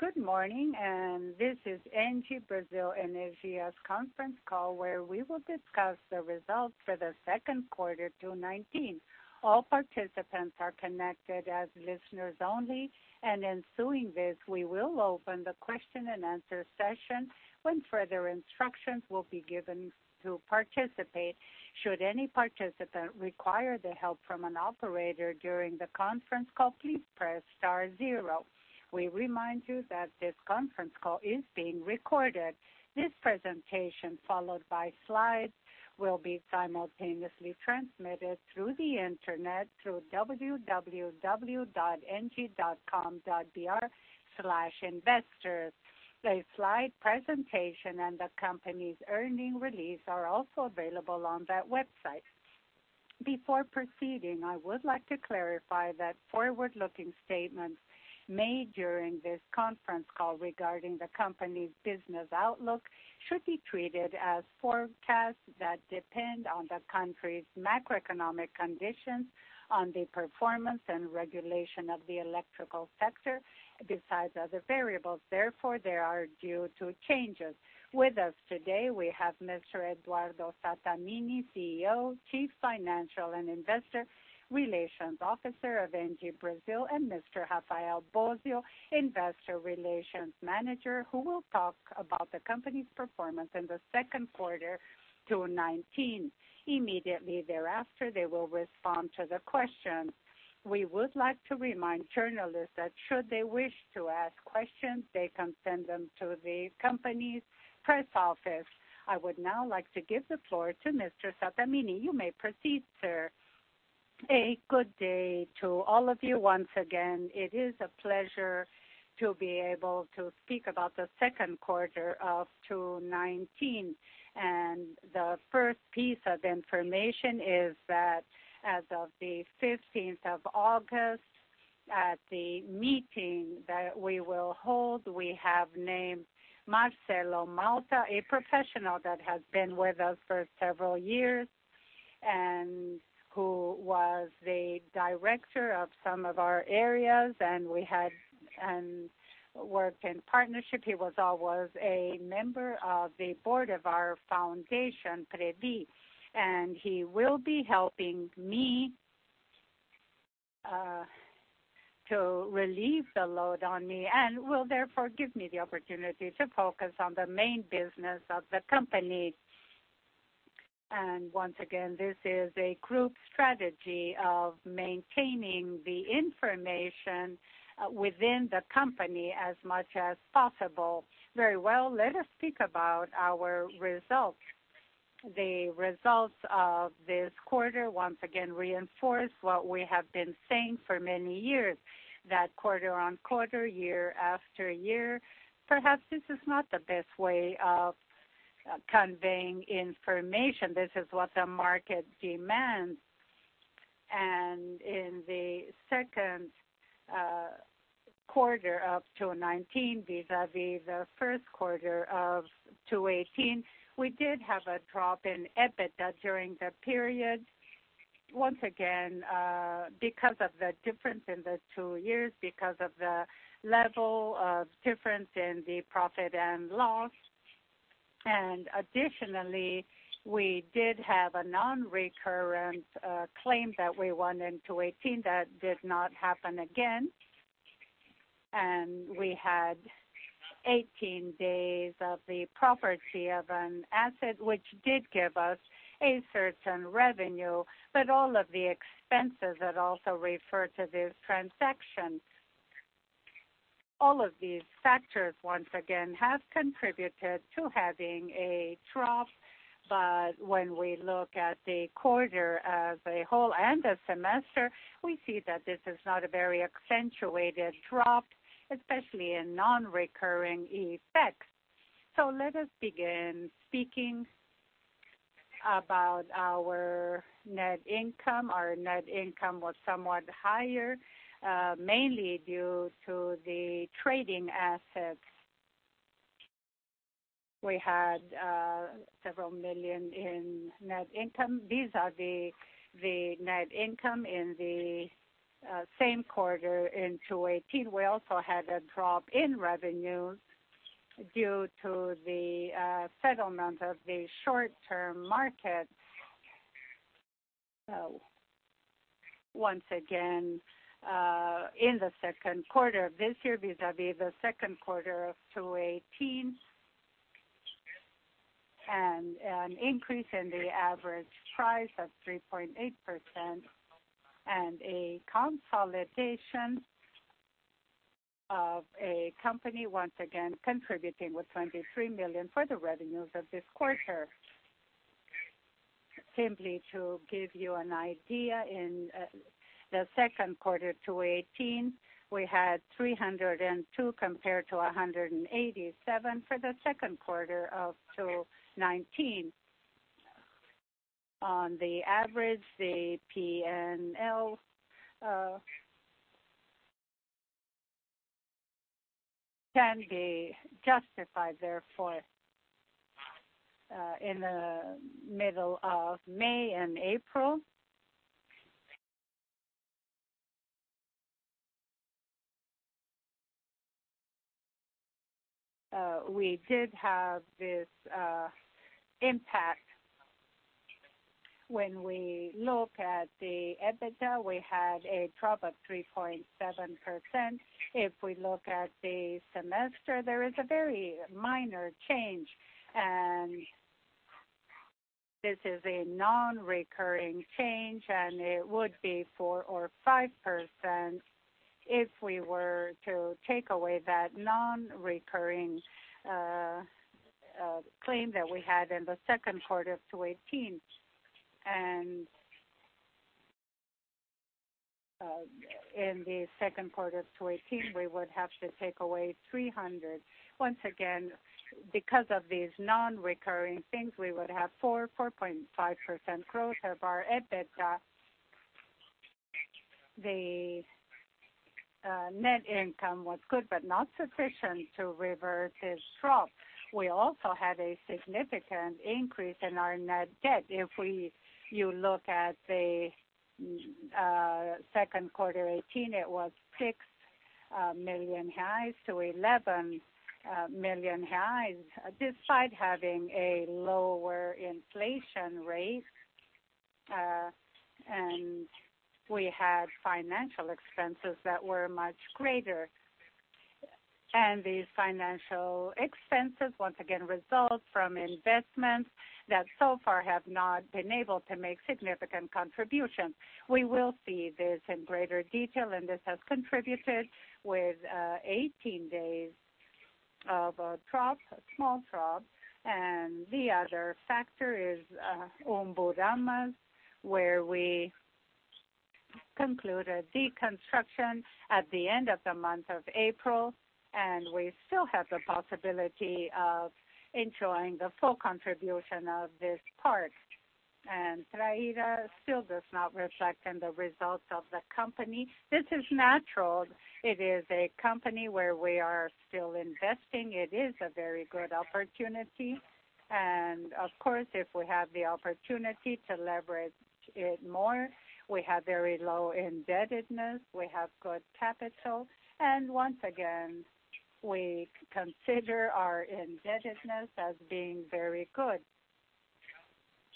Good morning, and this is ENGIE Brasil Energia's conference call where we will discuss the results for the second quarter of 2019. All participants are connected as listeners only, and ensuing this, we will open the question and answer session when further instructions will be given to participate. Should any participant require the help from an operator during the conference call, please press star zero. We remind you that this conference call is being recorded. This presentation, followed by slides, will be simultaneously transmitted through the internet through www.engie.com.br/investors. The slide presentation and the company's earnings release are also available on that website. Before proceeding, I would like to clarify that forward-looking statements made during this conference call regarding the company's business outlook should be treated as forecasts that depend on the country's macroeconomic conditions, on the performance and regulation of the electrical sector, besides other variables. Therefore, they are due to changes. With us today, we have Mr. Eduardo Sattamini, CEO, Chief Financial and Investor Relations Officer of ENGIE Brasil Energia, and Mr. Rafael Bósio, Investor Relations Manager, who will talk about the company's performance in the second quarter of 2019. Immediately thereafter, they will respond to the questions. We would like to remind journalists that should they wish to ask questions, they can send them to the company's press office. I would now like to give the floor to Mr. Sattamini. You may proceed, sir. A good day to all of you once again. It is a pleasure to be able to speak about the second quarter of 2019. The first piece of information is that as of the 15th of August, at the meeting that we will hold, we have named Marcelo Malta, a professional that has been with us for several years and who was the director of some of our areas, and we had worked in partnership. He was always a member of the board of our foundation, PREVI, and he will be helping me to relieve the load on me and will therefore give me the opportunity to focus on the main business of the company. Once again, this is a group strategy of maintaining the information within the company as much as possible. Very well, let us speak about our results. The results of this quarter once again reinforce what we have been saying for many years, that quarter-on-quarter, year-after-year. Perhaps this is not the best way of conveying information. This is what the market demands. In the second quarter of 2019, vis-à-vis the first quarter of 2018, we did have a drop in EBITDA during the period. Once again, because of the difference in the two years, because of the level of difference in the profit and loss. Additionally, we did have a non-recurrent claim that we won in 2018 that did not happen again. We had 18 days of the property of an asset, which did give us a certain revenue, but all of the expenses that also refer to this transaction. All of these factors once again have contributed to having a drop, but when we look at the quarter as a whole and the semester, we see that this is not a very accentuated drop, especially in non-recurring effects. Let us begin speaking about our net income. Our net income was somewhat higher, mainly due to the trading assets. We had several million in net income vis-à-vis the net income in the same quarter in 2018. We also had a drop in revenue due to the settlement of the short-term market. Once again, in the second quarter of this year, vis-à-vis the second quarter of 2018, and an increase in the average price of 3.8%, and a consolidation of a company once again contributing with 23 million for the revenues of this quarter. Simply to give you an idea, in the second quarter to 2018, we had 302 compared to 187 for the second quarter of 2019. On the average, the P&L can be justified, therefore, in the middle of May and April. We did have this impact. When we look at the EBITDA, we had a drop of 3.7%. If we look at the semester, there is a very minor change, and this is a non-recurring change, and it would be 4% or 5% if we were to take away that non-recurring claim that we had in the second quarter of 2018. In the second quarter of 2018, we would have to take away 300. Once again, because of these non-recurring things, we would have 4%, 4.5% growth of our EBITDA. The net income was good, but not sufficient to revert this drop. We also had a significant increase in our net debt. If you look at the second quarter 2018, it was 6 million reais to 11 million reais, despite having a lower inflation rate, and we had financial expenses that were much greater. These financial expenses, once again, result from investments that so far have not been able to make significant contributions. We will see this in greater detail, and this has contributed with 18 days of a drop, a small drop. The other factor is Umburanas, where we concluded deconstruction at the end of the month of April, and we still have the possibility of enjoying the full contribution of this part. PREVI still does not reflect in the results of the company. This is natural. It is a company where we are still investing. It is a very good opportunity. Of course, if we have the opportunity to leverage it more, we have very low indebtedness, we have good capital, and once again, we consider our indebtedness as being very good.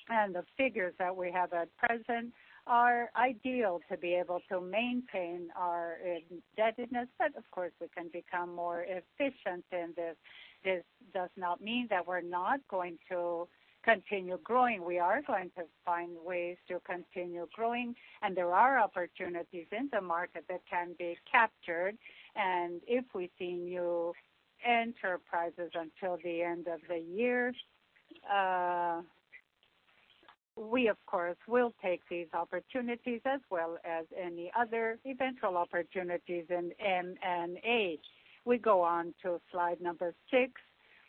The figures that we have at present are ideal to be able to maintain our indebtedness, but of course, we can become more efficient in this. This does not mean that we're not going to continue growing. We are going to find ways to continue growing, and there are opportunities in the market that can be captured. If we see new enterprises until the end of the year, we, of course, will take these opportunities as well as any other eventual opportunities in M&A. We go on to slide number six,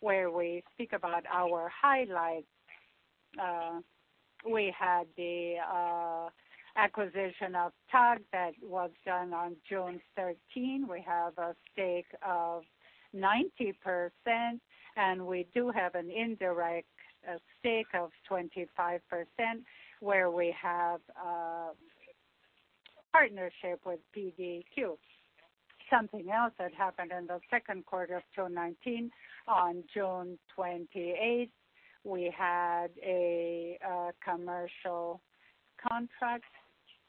where we speak about our highlights. We had the acquisition of TAG that was done on June 13. We have a stake of 90%, and we do have an indirect stake of 25%, where we have partnership with PDQ. Something else that happened in the second quarter of 2019, on June 28th, we had a commercial contract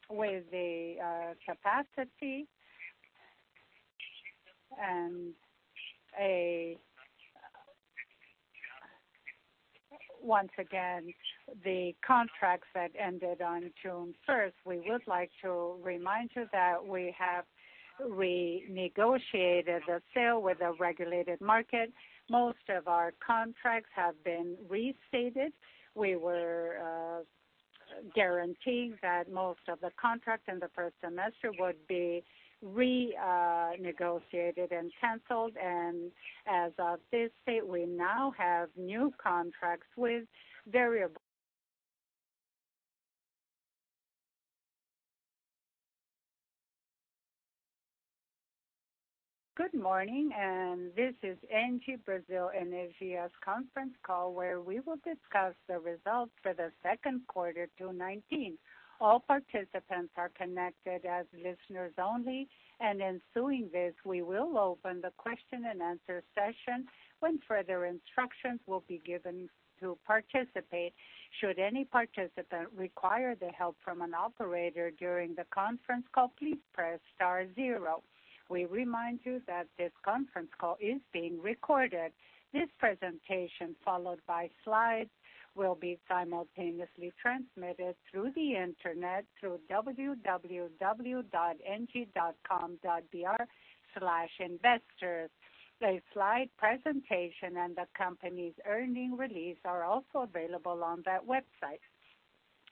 with the capacity. Once again, the contracts that ended on June 1st, we would like to remind you that we have renegotiated the sale with a regulated market. Most of our contracts have been restated. We were guaranteeing that most of the contracts in the first semester would be renegotiated and canceled. As of this date, we now have new contracts with variable. Good morning, this is ENGIE Brasil Energia's conference call where we will discuss the results for the second quarter of 2019. All participants are connected as listeners only. Ensuing this, we will open the question and answer session when further instructions will be given to participate. Should any participant require the help from an operator during the conference call, please press star zero. We remind you that this conference call is being recorded. This presentation, followed by slides, will be simultaneously transmitted through the internet through www.engie.com.br/investors. The slide presentation and the company's earnings release are also available on that website.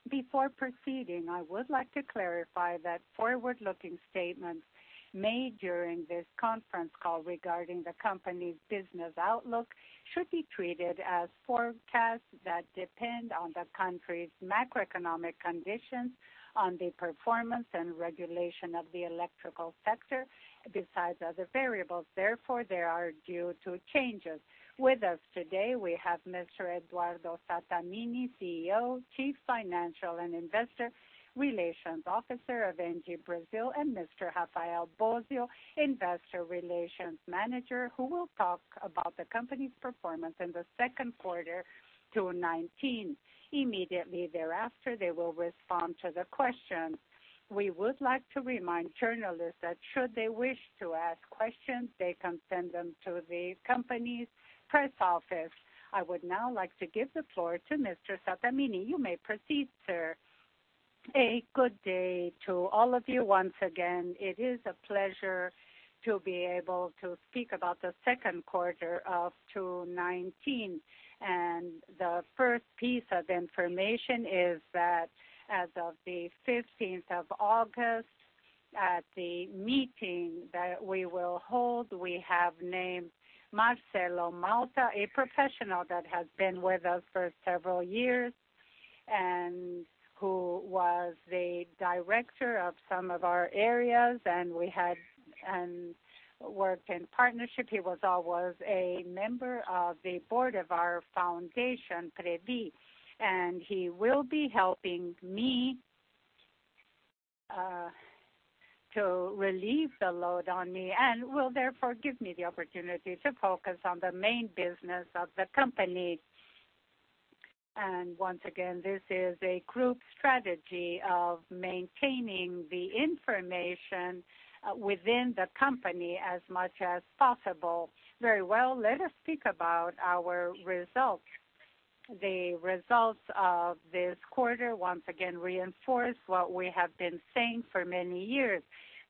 Before proceeding, I would like to clarify that forward-looking statements made during this conference call regarding the company's business outlook should be treated as forecasts that depend on the country's macroeconomic conditions, on the performance and regulation of the electrical sector, besides other variables. Therefore, they are due to changes. With us today, we have Mr. Eduardo Sattamini, CEO, Chief Financial and Investor Relations Officer of ENGIE Brasil Energia, and Mr. Rafael Bósio, Investor Relations Manager, who will talk about the company's performance in the second quarter of 2019. Immediately thereafter, they will respond to the questions. We would like to remind journalists that should they wish to ask questions, they can send them to the company's press office. I would now like to give the floor to Mr. Sattamini. You may proceed, sir. A good day to all of you. Once again, it is a pleasure to be able to speak about the second quarter of 2019. The first piece of information is that as of the 15th of August, at the meeting that we will hold, we have named Marcelo Malta, a professional that has been with us for several years and who was the director of some of our areas, and we had worked in partnership. He was always a member of the board of our foundation, PREVI, and he will be helping me to relieve the load on me and will therefore give me the opportunity to focus on the main business of the company. This is a group strategy of maintaining the information within the company as much as possible. Very well, let us speak about our results. The results of this quarter, once again, reinforce what we have been saying for many years,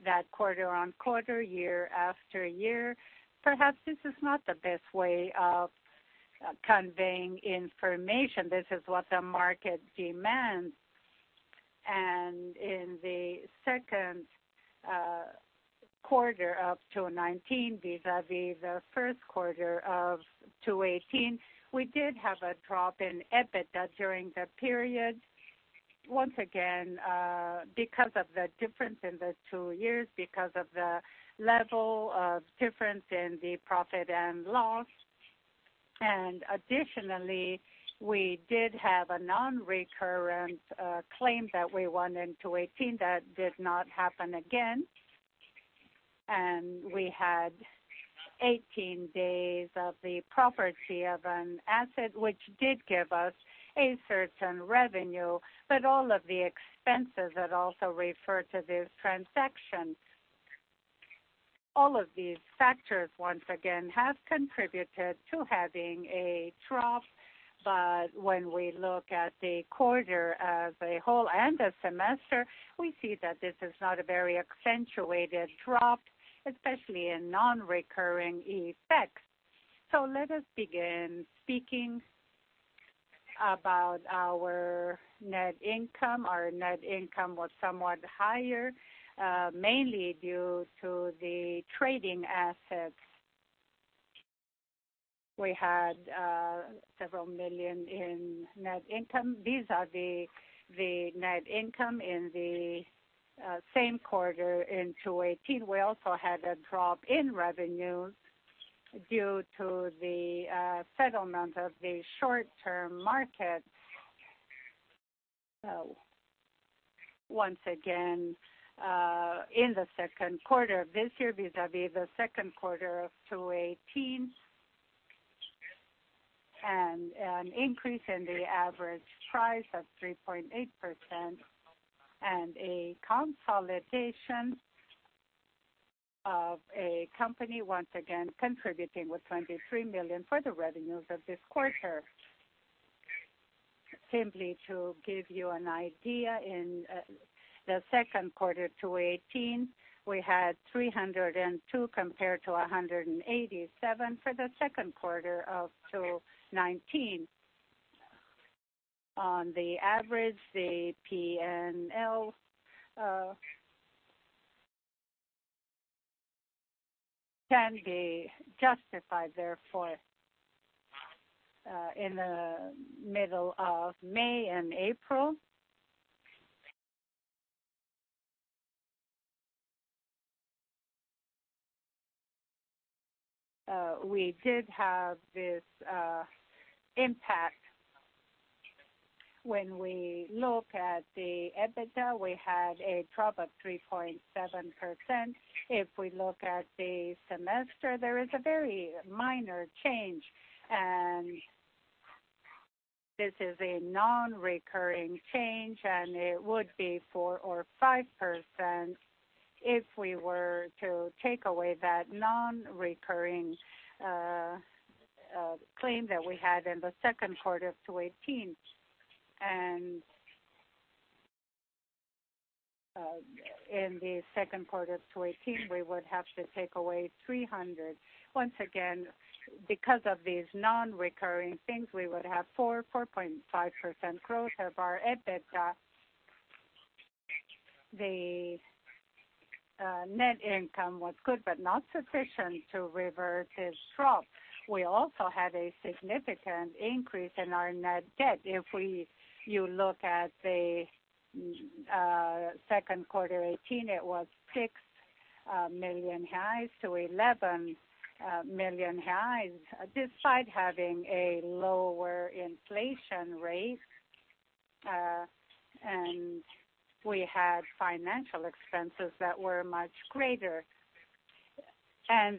that quarter on quarter, year after year. Perhaps this is not the best way of conveying information. This is what the market demands. In the second quarter of 2019, vis-à-vis the first quarter of 2018, we did have a drop in EBITDA during the period. Once again, because of the difference in the two years, because of the level of difference in the profit and loss. Additionally, we did have a non-recurrent claim that we won in 2018 that did not happen again. We had 18 days of the property of an asset, which did give us a certain revenue, but all of the expenses that also refer to this transaction. All of these factors, once again, have contributed to having a drop, but when we look at the quarter as a whole and the semester, we see that this is not a very accentuated drop, especially in non-recurring effects. Let us begin speaking about our net income. Our net income was somewhat higher, mainly due to the trading assets. We had several million in net income vis-à-vis the net income in the same quarter in 2018. We also had a drop in revenue due to the settlement of the short-term market. Once again, in the second quarter of this year, vis-à-vis the second quarter of 2018, and an increase in the average price of 3.8%, and a consolidation of a company, once again, contributing with 23 million for the revenues of this quarter. Simply to give you an idea, in the second quarter of 2018, we had 302 compared to 187 for the second quarter of 2019. On the average, the P&L can be justified, therefore, in the middle of May and April. We did have this impact. When we look at the EBITDA, we had a drop of 3.7%. If we look at the semester, there is a very minor change, and this is a non-recurring change, and it would be 4% or 5% if we were to take away that non-recurring claim that we had in the second quarter of 2018. In the second quarter of 2018, we would have to take away 300. Once again, because of these non-recurring things, we would have 4%, 4.5% growth of our EBITDA. The net income was good, but not sufficient to revert this drop. We also had a significant increase in our net debt. If you look at the second quarter 2018, it was 6 million reais to 11 million reais, despite having a lower inflation rate, and we had financial expenses that were much greater.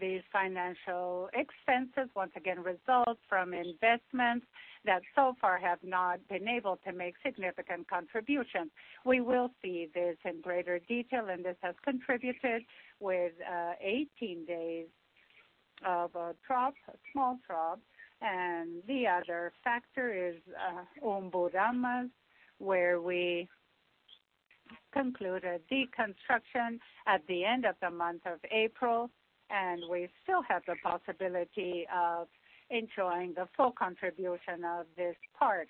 These financial expenses, once again, result from investments that so far have not been able to make significant contributions. We will see this in greater detail, and this has contributed with 18 days of a drop, a small drop. The other factor is Umburanas, where we concluded deconstruction at the end of the month of April, and we still have the possibility of enjoying the full contribution of this part.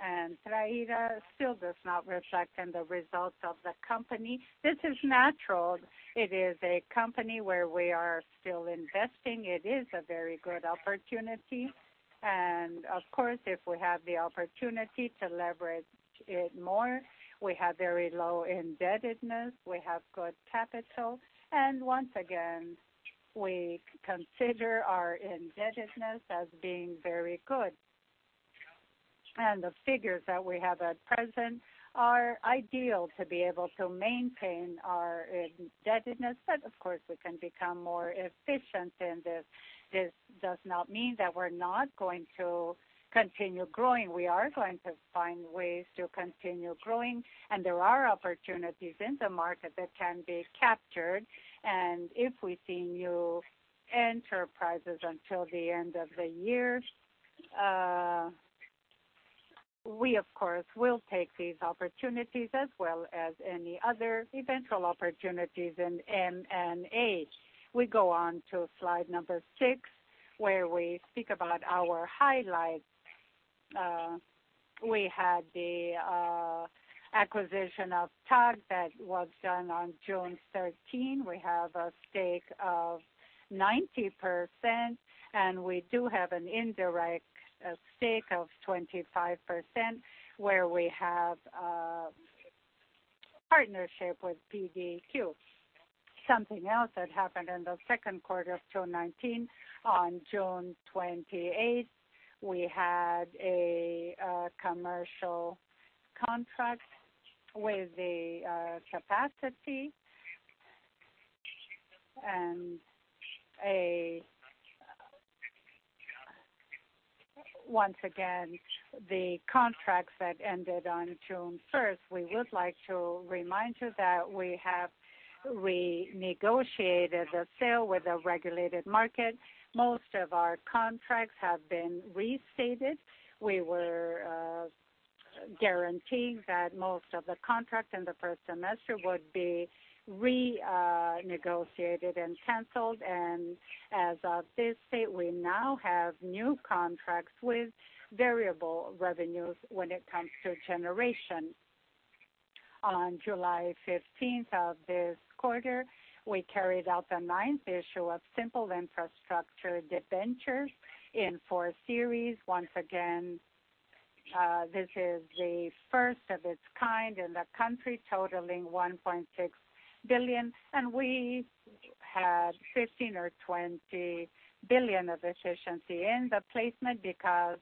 PREVI still does not reflect in the results of the company. This is natural. It is a company where we are still investing. It is a very good opportunity. Of course, if we have the opportunity to leverage it more, we have very low indebtedness, we have good capital, and once again, we consider our indebtedness as being very good. The figures that we have at present are ideal to be able to maintain our indebtedness, but of course, we can become more efficient in this. This does not mean that we're not going to continue growing. We are going to find ways to continue growing, and there are opportunities in the market that can be captured. If we see new enterprises until the end of the year, we, of course, will take these opportunities as well as any other eventual opportunities in M&A. We go on to slide number six, where we speak about our highlights. We had the acquisition of TAG that was done on June 13. We have a stake of 90%, and we do have an indirect stake of 25%, where we have partnership with PDQ. Something else that happened in the second quarter of 2019, on June 28th, we had a commercial contract with the capacity. Once again, the contracts that ended on June 1st, we would like to remind you that we have renegotiated the sale with a regulated market. Most of our contracts have been restated. We were guaranteeing that most of the contracts in the first semester would be renegotiated and canceled. As of this date, we now have new contracts with variable revenues when it comes to generation. On July 15th of this quarter, we carried out the ninth issue of Simple Infrastructure Debentures in four series. Once again, this is the first of its kind in the country, totaling 1.6 billion. We had 15 billion-20 billion of efficiency in the placement because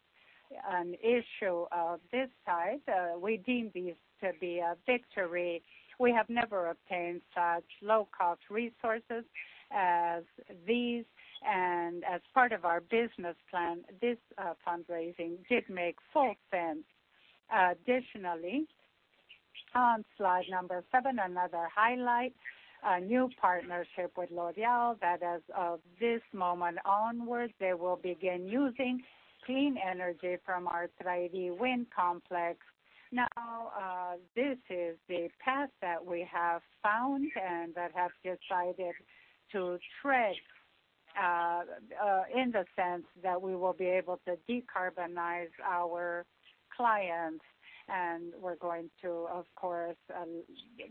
an issue of this type, we deem these to be a victory. We have never obtained such low-cost resources as these. As part of our business plan, this fundraising did make full sense. Additionally, on slide number seven, another highlight, a new partnership with L'Oréal that, as of this moment onward, they will begin using clean energy from our PREVI wind complex. Now, this is the path that we have found and that have decided to tread in the sense that we will be able to decarbonize our clients. We're going to, of course,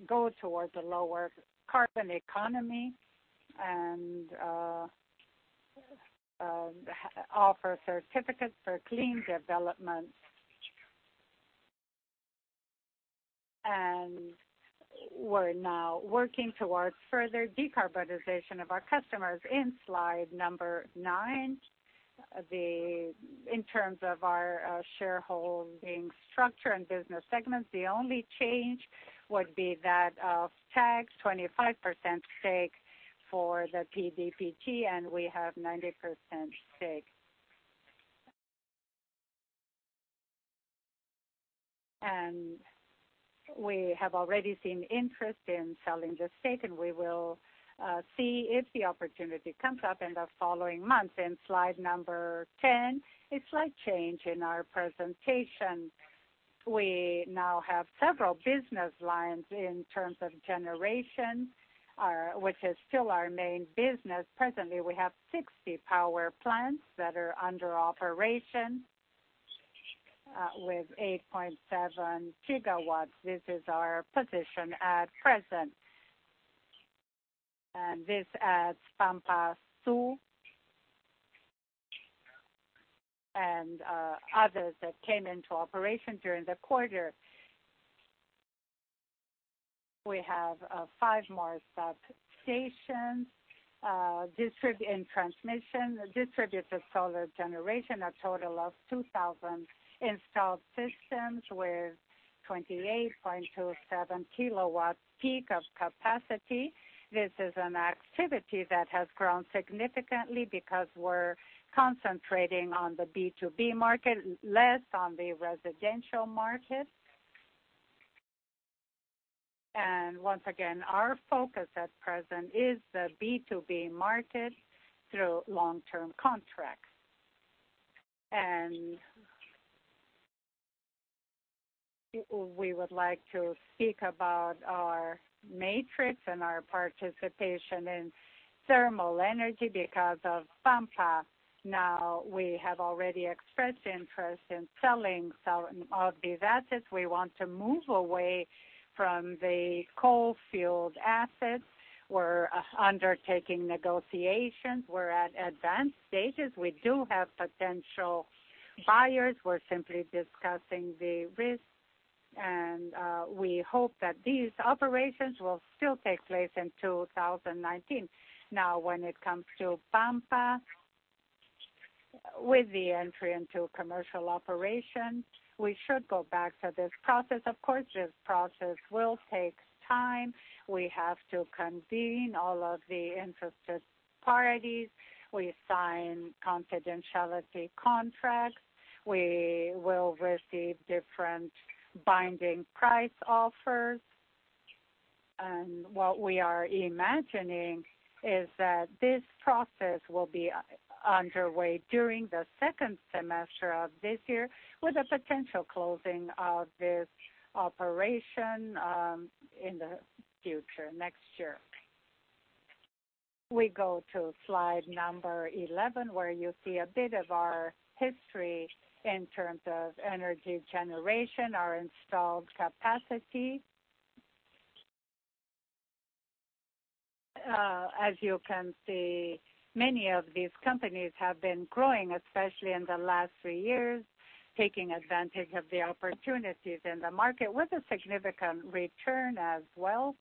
go towards a lower carbon economy and offer certificates for clean development. We're now working towards further decarbonization of our customers. In slide number nine, in terms of our shareholding structure and business segments, the only change would be that of TAG, 25% stake for the PDPT, and we have 90% stake. We have already seen interest in selling the stake, and we will see if the opportunity comes up in the following months. In slide number ten, a slight change in our presentation. We now have several business lines in terms of generation, which is still our main business. Presently, we have 60 power plants that are under operation with 8.7 GW. This is our position at present. This adds Pampas II and others that came into operation during the quarter. We have five more substations, in transmission, distributed solar generation, a total of 2,000 installed systems with 28.27 kW peak of capacity. This is an activity that has grown significantly because we're concentrating on the B2B market, less on the residential market. Once again, our focus at present is the B2B market through long-term contracts. We would like to speak about our matrix and our participation in thermal energy because of Pampas. Now, we have already expressed interest in selling some of these assets. We want to move away from the coal-fueled assets. We're undertaking negotiations. We're at advanced stages. We do have potential buyers. We're simply discussing the risks. We hope that these operations will still take place in 2019. Now, when it comes to Pampas, with the entry into commercial operation, we should go back to this process. Of course, this process will take time. We have to convene all of the interested parties. We sign confidentiality contracts. We will receive different binding price offers. What we are imagining is that this process will be underway during the second semester of this year, with a potential closing of this operation in the future, next year. We go to slide number 11, where you see a bit of our history in terms of energy generation, our installed capacity. As you can see, many of these companies have been growing, especially in the last three years, taking advantage of the opportunities in the market with a significant return as well.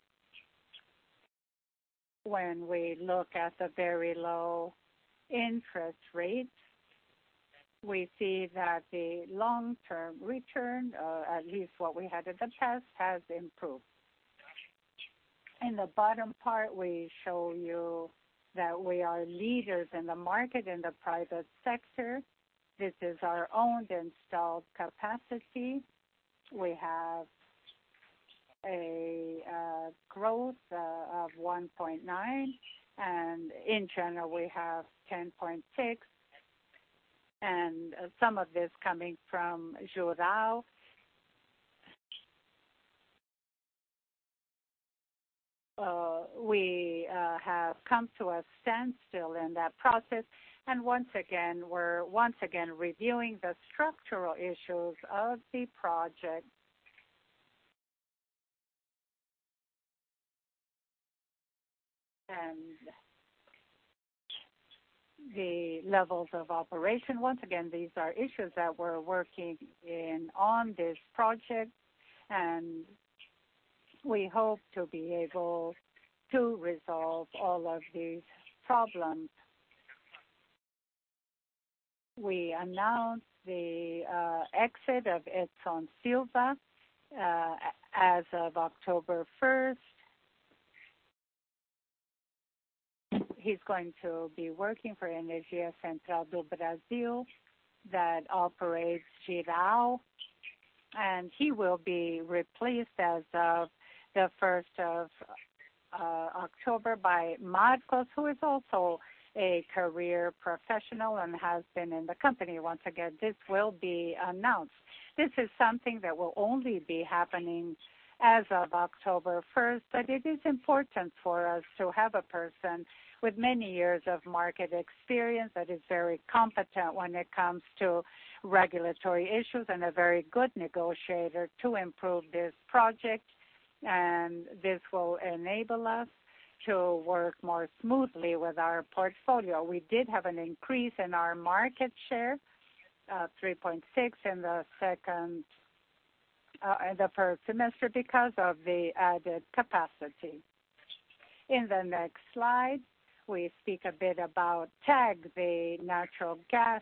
When we look at the very low interest rates, we see that the long-term return, at least what we had in the past, has improved. In the bottom part, we show you that we are leaders in the market in the private sector. This is our owned installed capacity. We have a growth of 1.9. In general, we have 10.6. Some of this is coming from Jirau. We have come to a standstill in that process. We are once again reviewing the structural issues of the project and the levels of operation. These are issues that we are working on in this project, and we hope to be able to resolve all of these problems. We announced the exit of Edson Silva as of October 1st. He is going to be working for Energia Central do Brasil that operates Jirau. He will be replaced as of the 1st of October by Marcos, who is also a career professional and has been in the company. Once again, this will be announced. This is something that will only be happening as of October 1st, but it is important for us to have a person with many years of market experience that is very competent when it comes to regulatory issues and a very good negotiator to improve this project. This will enable us to work more smoothly with our portfolio. We did have an increase in our market share, 3.6%, in the first semester because of the added capacity. In the next slide, we speak a bit about TAG, the natural gas.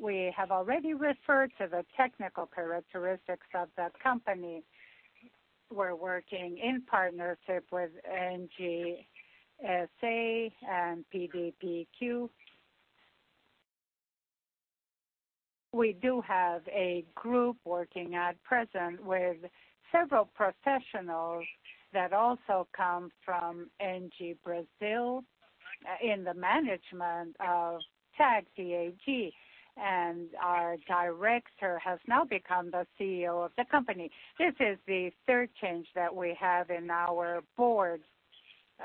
We have already referred to the technical characteristics of the company. We are working in partnership with ENGIE S.A. and PDPQ. We do have a group working at present with several professionals that also come from ENGIE Brasil Energia in the management of TAG, PAG. And our director has now become the CEO of the company. This is the third change that we have in our board.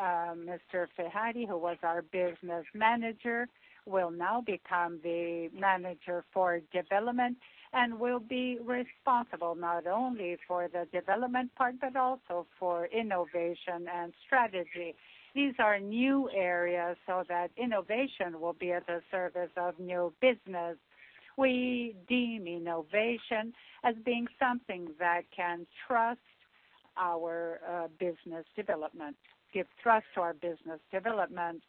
Mr. Ferrari, who was our business manager, will now become the manager for development and will be responsible not only for the development part but also for innovation and strategy. These are new areas so that innovation will be at the service of new business. We deem innovation as being something that can trust our business development, give trust to our business development.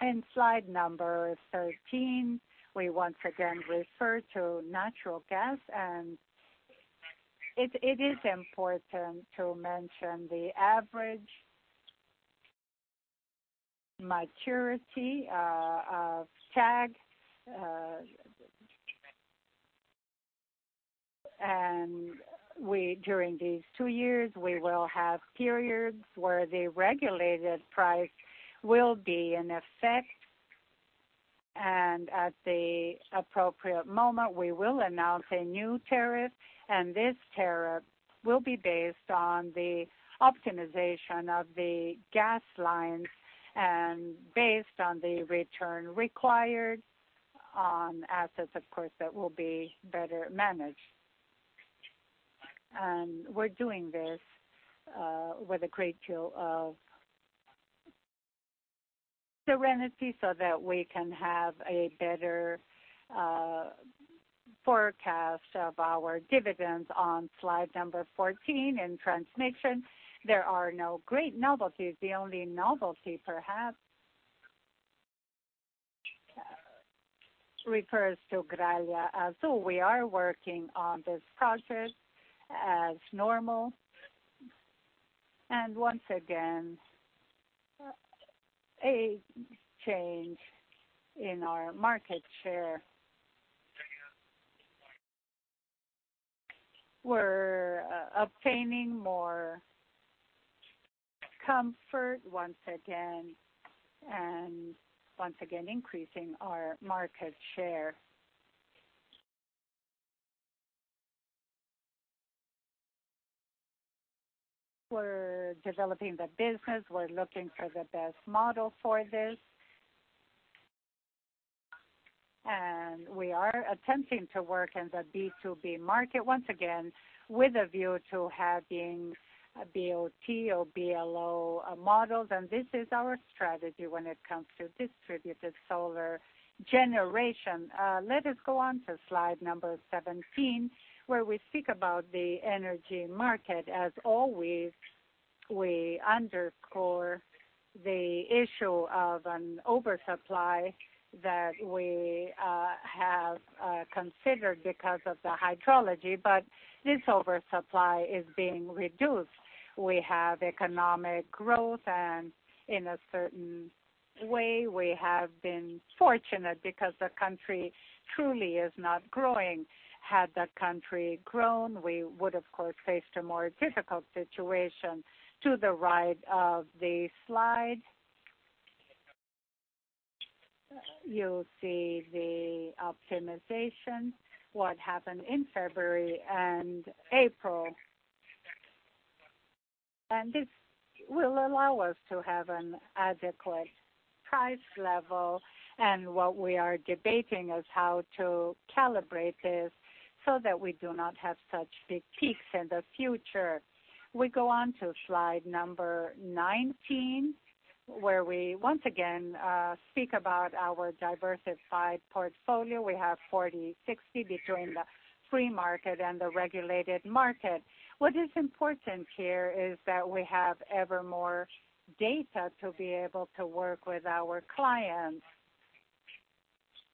In slide number 13, we once again refer to natural gas. It is important to mention the average maturity of TAG. During these two years, we will have periods where the regulated price will be in effect. At the appropriate moment, we will announce a new tariff. This tariff will be based on the optimization of the gas lines and based on the return required on assets, of course, that will be better managed. We are doing this with a great deal of serenity so that we can have a better forecast of our dividends. On slide number 14, in transmission, there are no great novelties. The only novelty, perhaps, refers to Gralha Azul. We are working on this project as normal. Once again, a change in our market share. We are obtaining more comfort once again and once again increasing our market share. We are developing the business. We are looking for the best model for this. We are attempting to work in the B2B market, once again, with a view to having BOT or BLO models. This is our strategy when it comes to distributed solar generation. Let us go on to slide number 17, where we speak about the energy market. As always, we underscore the issue of an oversupply that we have considered because of the hydrology. This oversupply is being reduced. We have economic growth. In a certain way, we have been fortunate because the country truly is not growing. Had the country grown, we would, of course, face a more difficult situation. To the right of the slide, you'll see the optimization, what happened in February and April. This will allow us to have an adequate price level. What we are debating is how to calibrate this so that we do not have such big peaks in the future. We go on to slide number 19, where we once again speak about our diversified portfolio. We have 40/60 between the free market and the regulated market. What is important here is that we have ever more data to be able to work with our clients.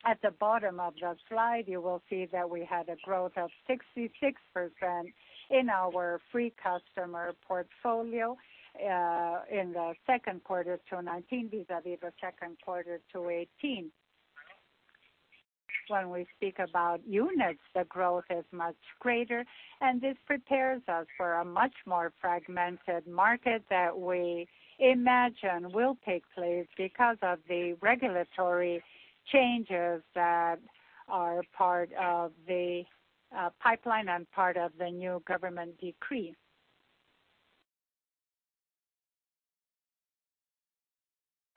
At the bottom of the slide, you will see that we had a growth of 66% in our free customer portfolio in the second quarter to 2019 vis-à-vis the second quarter to 2018. When we speak about units, the growth is much greater. This prepares us for a much more fragmented market that we imagine will take place because of the regulatory changes that are part of the pipeline and part of the new government decree.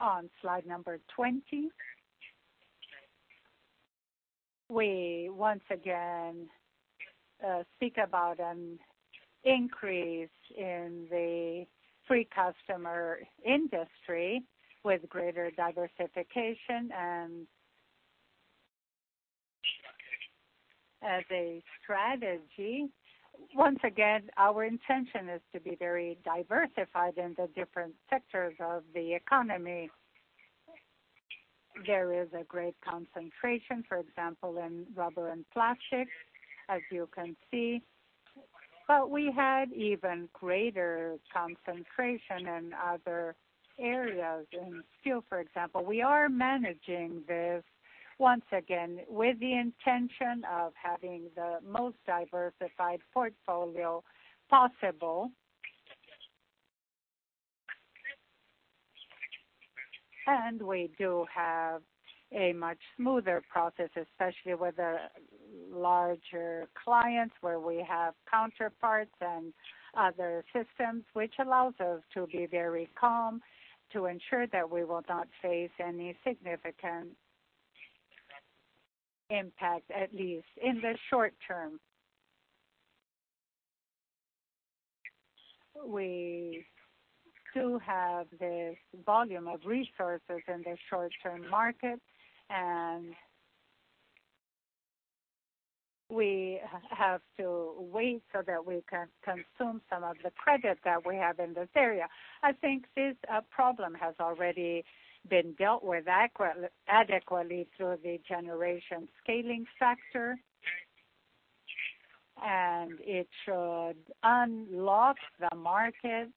On slide number 20, we once again speak about an increase in the free customer industry with greater diversification and as a strategy. Once again, our intention is to be very diversified in the different sectors of the economy. There is a great concentration, for example, in rubber and plastic, as you can see. We had even greater concentration in other areas. In steel, for example, we are managing this once again with the intention of having the most diversified portfolio possible. We do have a much smoother process, especially with the larger clients where we have counterparts and other systems, which allows us to be very calm to ensure that we will not face any significant impact, at least in the short term. We do have this volume of resources in the short-term market. We have to wait so that we can consume some of the credit that we have in this area. I think this problem has already been dealt with adequately through the generation scaling factor. It should unlock the market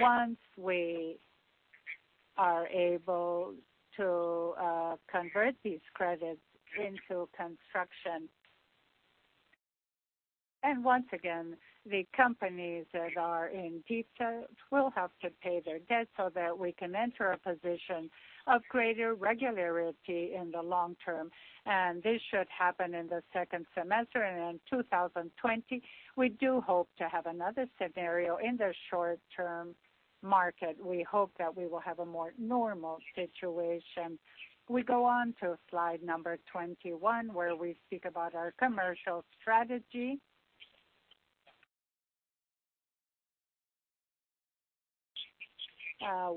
once we are able to convert these credits into construction. Once again, the companies that are in deep debt will have to pay their debt so that we can enter a position of greater regularity in the long term. This should happen in the second semester and in 2020. We do hope to have another scenario in the short-term market. We hope that we will have a more normal situation. We go on to slide number 21, where we speak about our commercial strategy.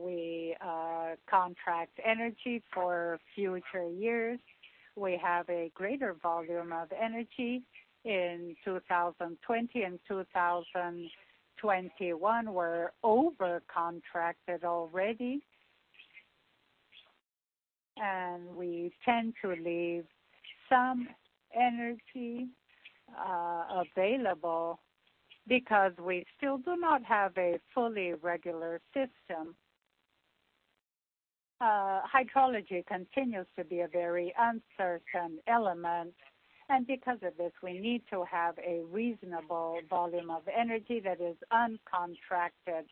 We contract energy for future years. We have a greater volume of energy in 2020 and 2021. We are overcontracted already. We tend to leave some energy available because we still do not have a fully regular system. Hydrology continues to be a very uncertain element. Because of this, we need to have a reasonable volume of energy that is uncontracted.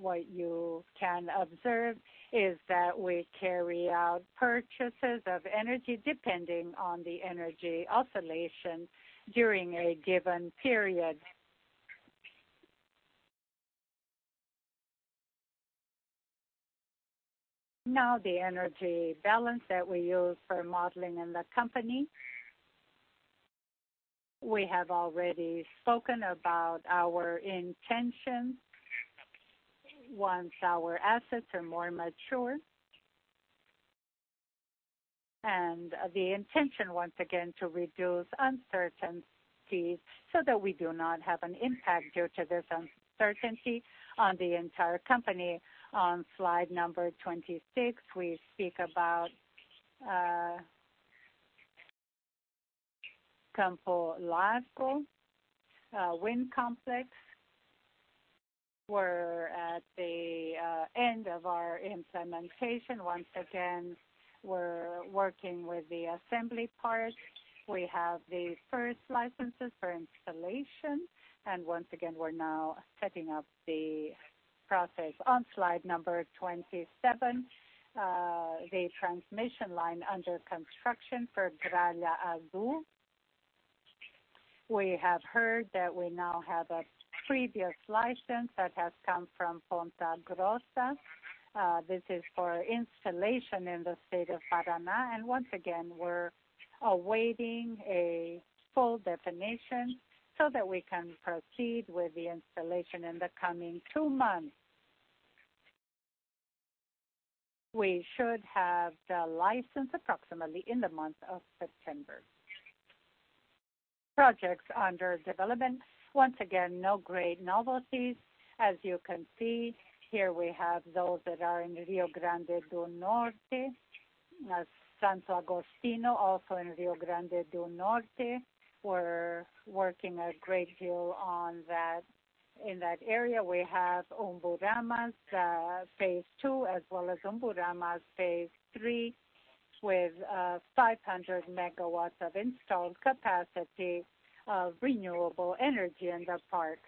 What you can observe is that we carry out purchases of energy depending on the energy oscillation during a given period. Now, the energy balance that we use for modeling in the company, we have already spoken about our intention once our assets are more mature. The intention, once again, is to reduce uncertainty so that we do not have an impact due to this uncertainty on the entire company. On slide number 26, we speak about Temple Lasso Wind Complex. We are at the end of our implementation. Once again, we are working with the assembly part. We have the first licenses for installation. Once again, we are now setting up the process. On slide number 27, the transmission line under construction for Gralha Azul. We have heard that we now have a previous license that has come from Ponta Grossa. This is for installation in the state of Paraná. Once again, we're awaiting a full definition so that we can proceed with the installation in the coming two months. We should have the license approximately in the month of September. Projects under development. Once again, no great novelties. As you can see here, we have those that are in Rio Grande do Norte. Santo Agostinho, also in Rio Grande do Norte, we're working a great deal on that. In that area, we have Umburanas phase two as well as Umburanas phase three with 500 MW of installed capacity of renewable energy in the park.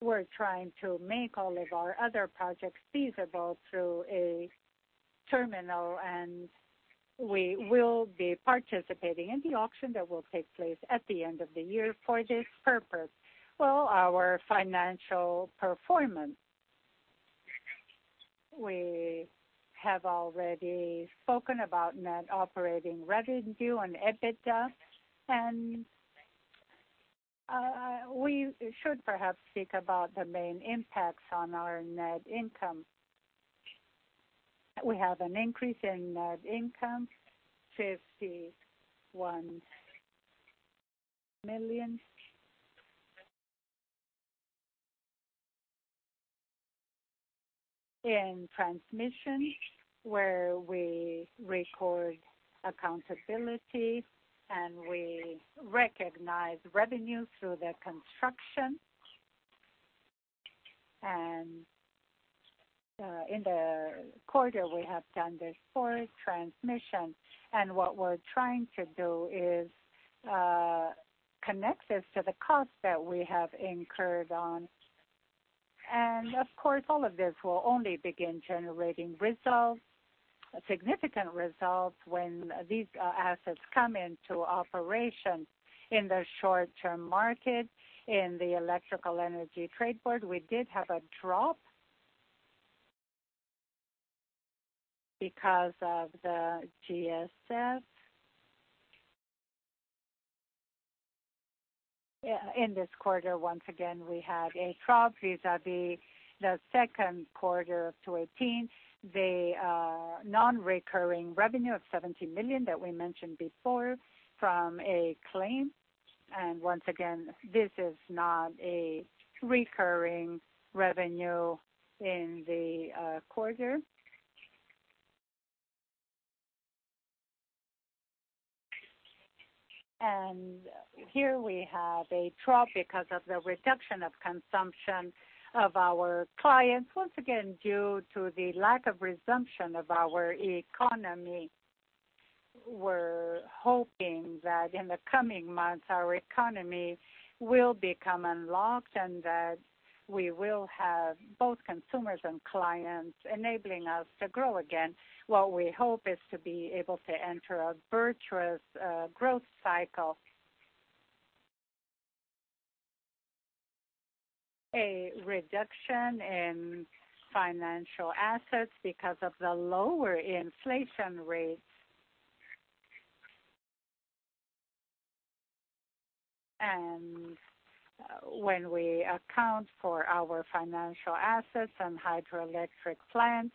We're trying to make all of our other projects feasible through a terminal. We will be participating in the auction that will take place at the end of the year for this purpose. Our financial performance. We have already spoken about net operating revenue and EBITDA. We should perhaps speak about the main impacts on our net income. We have an increase in net income, BRL 51 million in transmission, where we record accountability and we recognize revenue through the construction. In the quarter, we have done this for transmission. What we are trying to do is connect this to the cost that we have incurred on. Of course, all of this will only begin generating results, significant results, when these assets come into operation in the short-term market. In the electrical energy trade board, we did have a drop because of the GSF. In this quarter, once again, we had a drop vis-à-vis the second quarter of 2018, the non-recurring revenue of 70 million that we mentioned before from a claim. Once again, this is not a recurring revenue in the quarter. Here we have a drop because of the reduction of consumption of our clients, once again due to the lack of resumption of our economy. We are hoping that in the coming months, our economy will become unlocked and that we will have both consumers and clients enabling us to grow again. What we hope is to be able to enter a virtuous growth cycle, a reduction in financial assets because of the lower inflation rates. When we account for our financial assets and hydroelectric plants,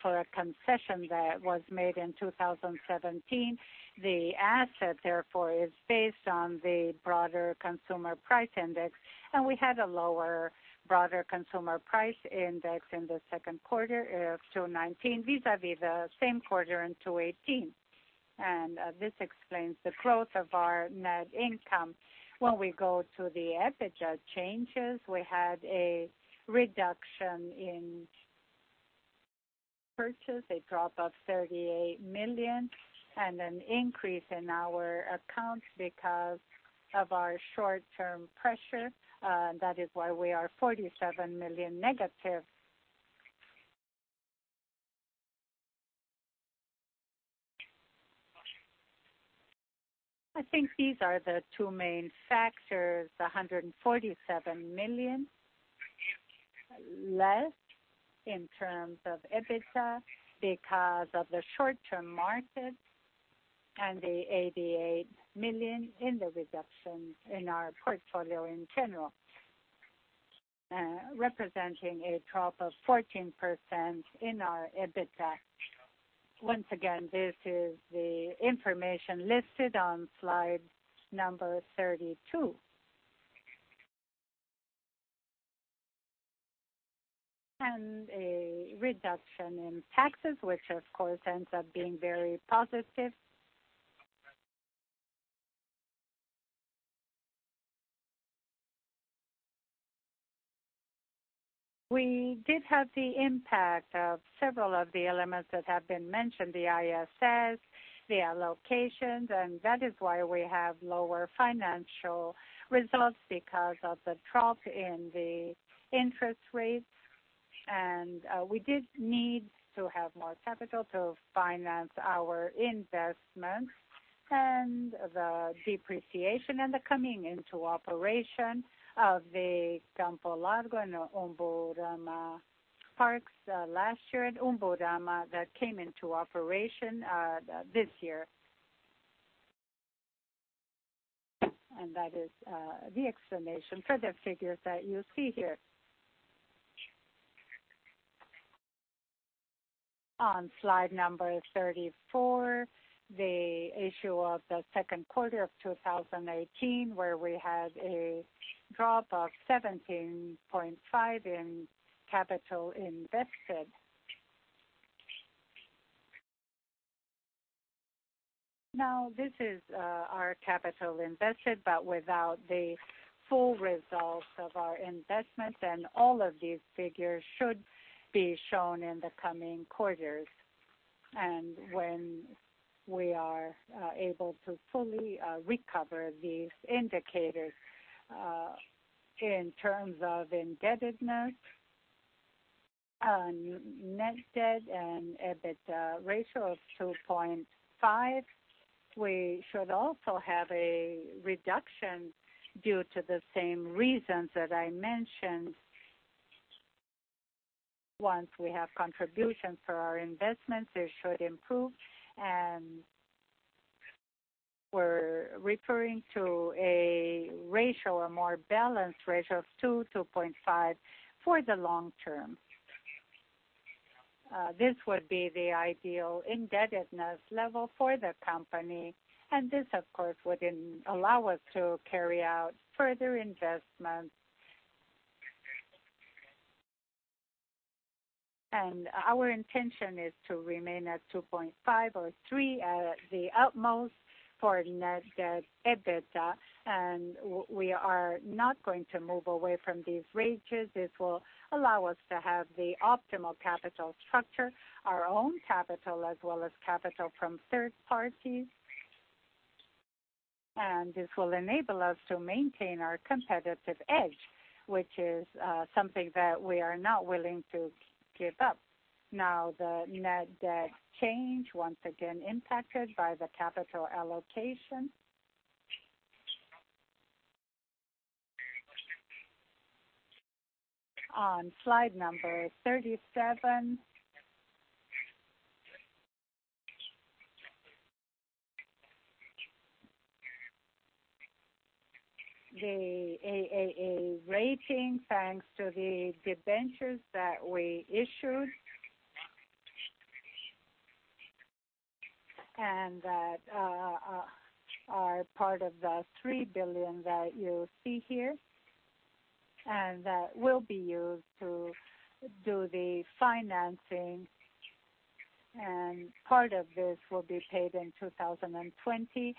for a concession that was made in 2017, the asset, therefore, is based on the broader consumer price index. We had a lower broader consumer price index in the second quarter of 2019 vis-à-vis the same quarter in 2018. This explains the growth of our net income. When we go to the EBITDA changes, we had a reduction in purchase, a drop of 38 million, and an increase in our accounts because of our short-term pressure. That is why we are 47 million negative. I think these are the two main factors: 147 million less in terms of EBITDA because of the short-term market and the 88 million in the reduction in our portfolio in general, representing a drop of 14% in our EBITDA. Once again, this is the information listed on slide number 32. A reduction in taxes, which of course ends up being very positive. We did have the impact of several of the elements that have been mentioned, the ISS, the allocations. That is why we have lower financial results because of the drop in the interest rates. We did need to have more capital to finance our investment and the depreciation and the coming into operation of the Campo Largo and Umburama parks last year and Umburama that came into operation this year. That is the explanation for the figures that you see here. On slide number 34, the issue of the second quarter of 2018, where we had a drop of 17.5 in capital invested. Now, this is our capital invested, but without the full results of our investments. All of these figures should be shown in the coming quarters. When we are able to fully recover these indicators in terms of indebtedness, net debt, and EBITDA ratio of 2.5, we should also have a reduction due to the same reasons that I mentioned. Once we have contributions for our investments, it should improve. We are referring to a ratio, a more balanced ratio of 2-2.5 for the long term. This would be the ideal indebtedness level for the company. This, of course, would allow us to carry out further investments. Our intention is to remain at 2.5 or 3 at the utmost for net debt/EBITDA. We are not going to move away from these ranges. This will allow us to have the optimal capital structure, our own capital as well as capital from third parties. This will enable us to maintain our competitive edge, which is something that we are not willing to give up. Now, the net debt change, once again, impacted by the capital allocation. On slide number 37, the AAA rating, thanks to the debentures that we issued and that are part of the 3 billion that you see here, and that will be used to do the financing. Part of this will be paid in 2020.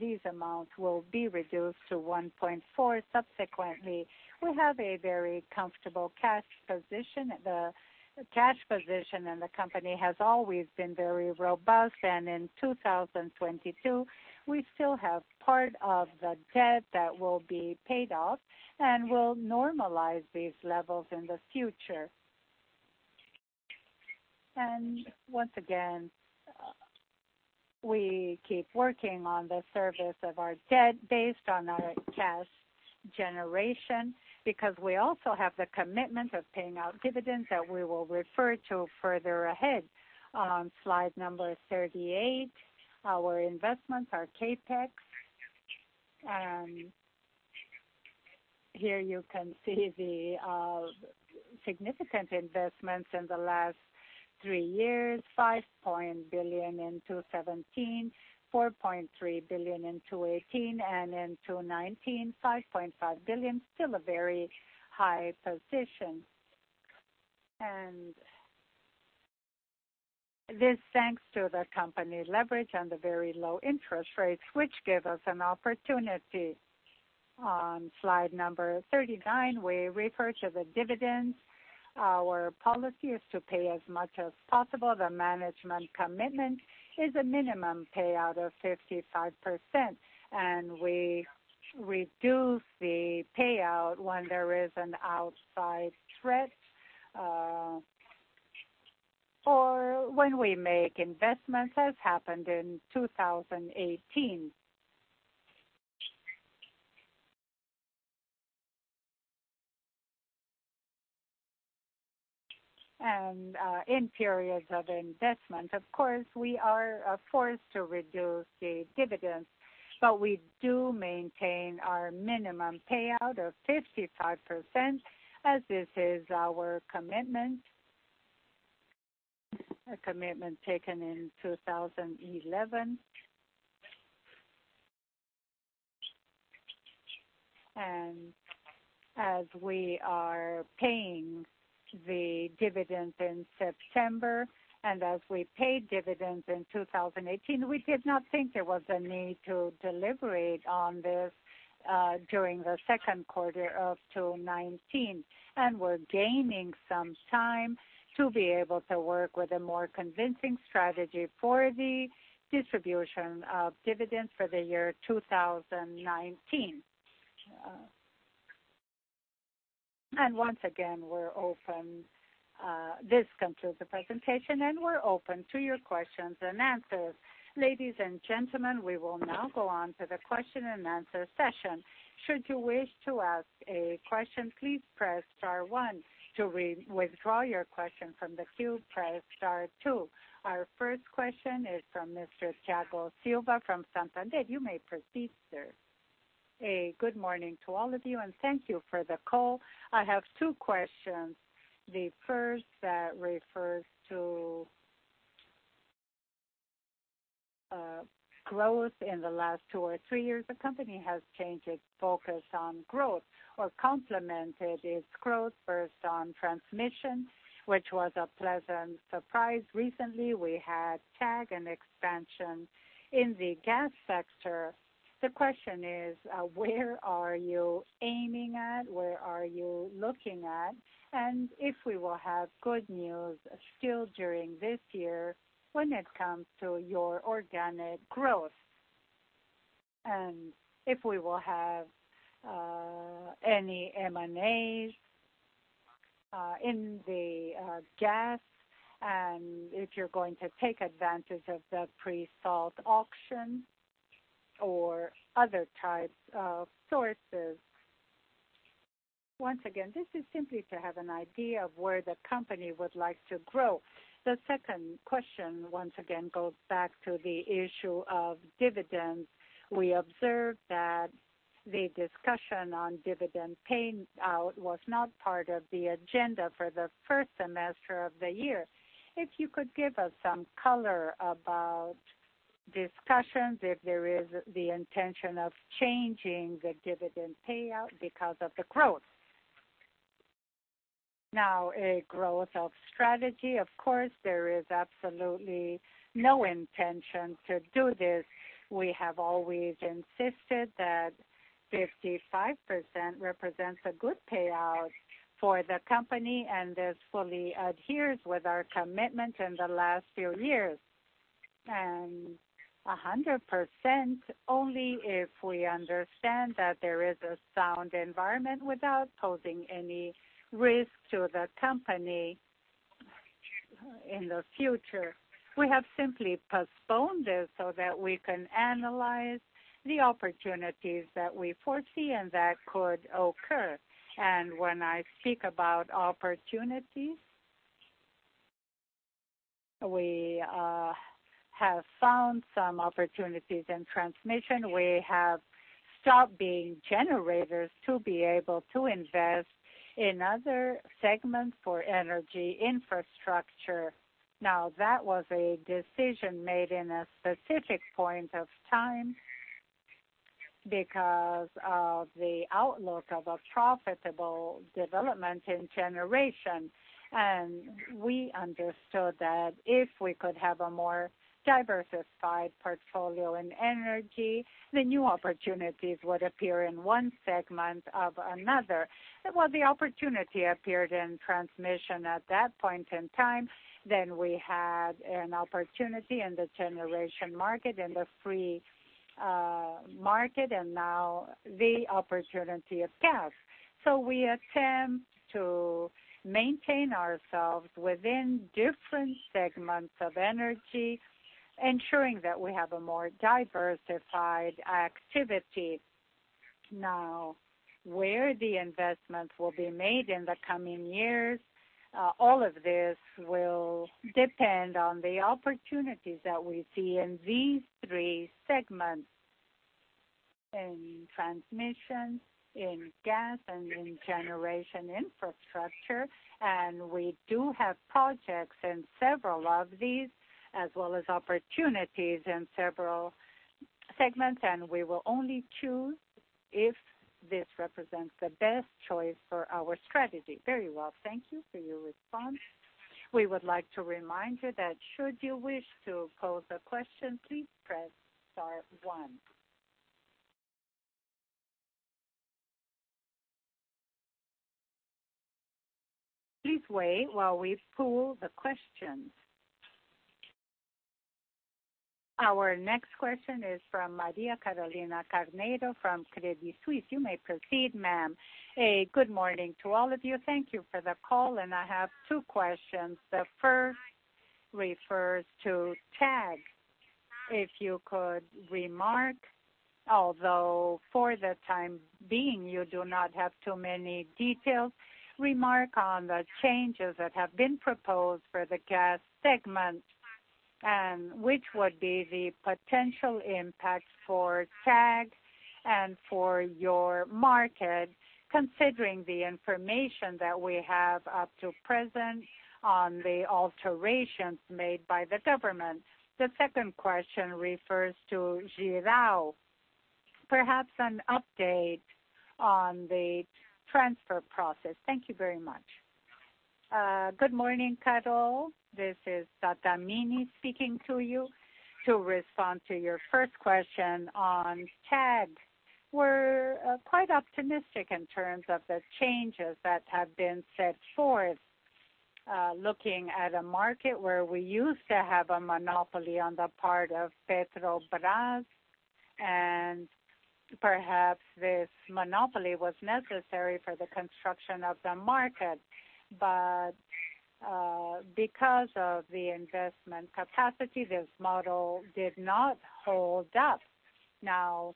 These amounts will be reduced to 1.4 billion. Subsequently, we have a very comfortable cash position. The cash position in the company has always been very robust. In 2022, we still have part of the debt that will be paid off and will normalize these levels in the future. Once again, we keep working on the service of our debt based on our cash generation because we also have the commitment of paying out dividends that we will refer to further ahead. On slide number 38, our investments, our CapEx. Here you can see the significant investments in the last three years: 5.1 billion in 2017, 4.3 billion in 2018, and in 2019, 5.5 billion. Still a very high position. This is thanks to the company leverage and the very low interest rates, which give us an opportunity. On slide number 39, we refer to the dividends. Our policy is to pay as much as possible. The management commitment is a minimum payout of 55%. We reduce the payout when there is an outside threat or when we make investments, as happened in 2018. In periods of investment, of course, we are forced to reduce the dividends, but we do maintain our minimum payout of 55% as this is our commitment, a commitment taken in 2011. As we are paying the dividends in September, and as we paid dividends in 2018, we did not think there was a need to deliberate on this during the second quarter of 2019. We are gaining some time to be able to work with a more convincing strategy for the distribution of dividends for the year 2019. Once again, we are open. This concludes the presentation, and we are open to your questions and answers. Ladies and gentlemen, we will now go on to the question and answer session. Should you wish to ask a question, please press star one. To withdraw your question from the queue, press star two. Our first question is from Mr. Thiago Silva from Santander. You may proceed, sir. A good morning to all of you, and thank you for the call. I have two questions. The first that refers to growth in the last two or three years. The company has changed its focus on growth or complemented its growth first on transmission, which was a pleasant surprise. Recently, we had TAG and expansion in the gas sector. The question is, where are you aiming at? Where are you looking at? If we will have good news still during this year when it comes to your organic growth? If we will have any M&As in the gas and if you're going to take advantage of the pre-salt auction or other types of sources. Once again, this is simply to have an idea of where the company would like to grow. The second question, once again, goes back to the issue of dividends. We observed that the discussion on dividend payout was not part of the agenda for the first semester of the year. If you could give us some color about discussions if there is the intention of changing the dividend payout because of the growth. Now, a growth of strategy, of course, there is absolutely no intention to do this. We have always insisted that 55% represents a good payout for the company and this fully adheres with our commitment in the last few years. And 100% only if we understand that there is a sound environment without posing any risk to the company in the future. We have simply postponed this so that we can analyze the opportunities that we foresee and that could occur. When I speak about opportunities, we have found some opportunities in transmission. We have stopped being generators to be able to invest in other segments for energy infrastructure. Now, that was a decision made in a specific point of time because of the outlook of a profitable development in generation. We understood that if we could have a more diversified portfolio in energy, the new opportunities would appear in one segment or another. The opportunity appeared in transmission at that point in time. We had an opportunity in the generation market, in the free market, and now the opportunity of gas. We attempt to maintain ourselves within different segments of energy, ensuring that we have a more diversified activity. Where the investments will be made in the coming years, all of this will depend on the opportunities that we see in these three segments: in transmission, in gas, and in generation infrastructure. We do have projects in several of these, as well as opportunities in several segments. We will only choose if this represents the best choice for our strategy. Very well. Thank you for your response. We would like to remind you that should you wish to pose a question, please press star one. Please wait while we pull the questions. Our next question is from Maria Carolina Carneiro from Credit Suisse. You may proceed, ma'am. A good morning to all of you. Thank you for the call. I have two questions. The first refers to TAG. If you could remark, although for the time being, you do not have too many details, remark on the changes that have been proposed for the gas segment and which would be the potential impact for TAG and for your market, considering the information that we have up to present on the alterations made by the government. The second question refers to Jirau, perhaps an update on the transfer process. Thank you very much. Good morning, Caro. This is Sattamini speaking to you to respond to your first question on TAG. We're quite optimistic in terms of the changes that have been set forth, looking at a market where we used to have a monopoly on the part of Petrobras. Perhaps this monopoly was necessary for the construction of the market. Because of the investment capacity, this model did not hold up. Now,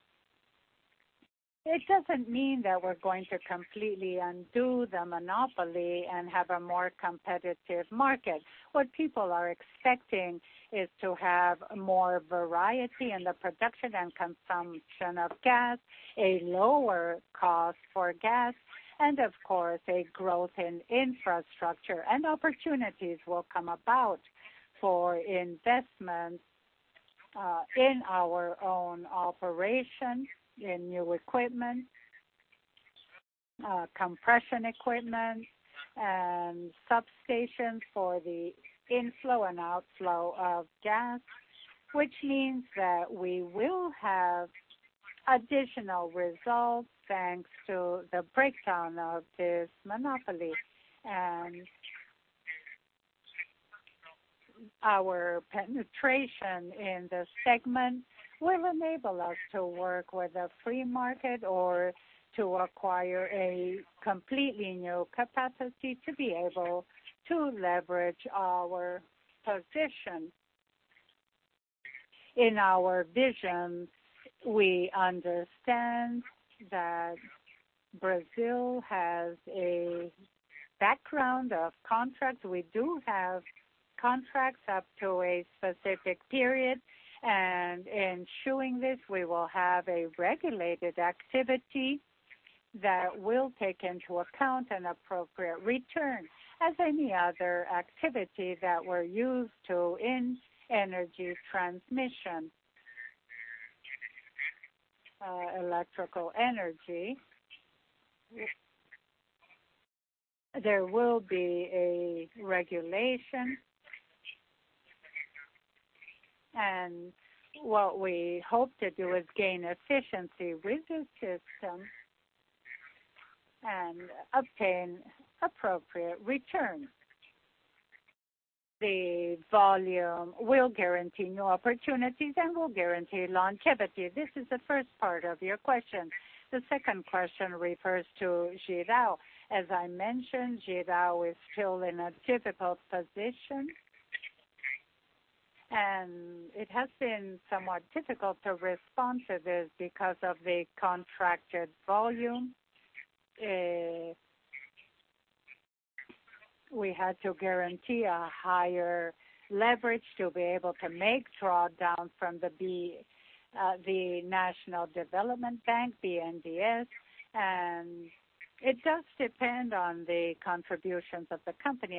it does not mean that we're going to completely undo the monopoly and have a more competitive market. What people are expecting is to have more variety in the production and consumption of gas, a lower cost for gas, and of course, a growth in infrastructure. Opportunities will come about for investments in our own operation, in new equipment, compression equipment, and substations for the inflow and outflow of gas, which means that we will have additional results thanks to the breakdown of this monopoly. Our penetration in the segment will enable us to work with a free market or to acquire a completely new capacity to be able to leverage our position. In our vision, we understand that Brazil has a background of contracts. We do have contracts up to a specific period. In showing this, we will have a regulated activity that will take into account an appropriate return, as any other activity that we're used to in energy transmission, electrical energy. There will be a regulation. What we hope to do is gain efficiency with this system and obtain appropriate return. The volume will guarantee new opportunities and will guarantee longevity. This is the first part of your question. The second question refers to Jirau. As I mentioned, Jirau is still in a difficult position. It has been somewhat difficult to respond to this because of the contracted volume. We had to guarantee a higher leverage to be able to make drawdowns from the Brazilian Development Bank, BNDES. It does depend on the contributions of the company.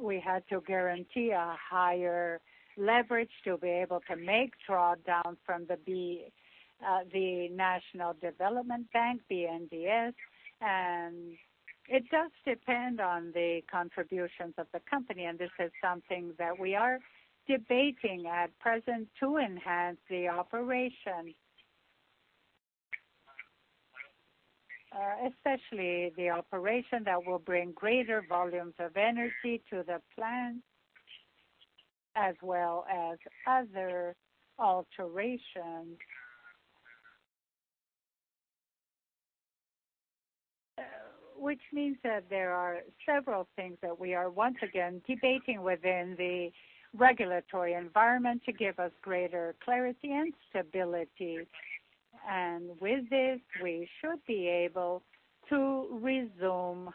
This is something that we are debating at present to enhance the operation, especially the operation that will bring greater volumes of energy to the plant, as well as other alterations, which means that there are several things that we are once again debating within the regulatory environment to give us greater clarity and stability. With this, we should be able to resume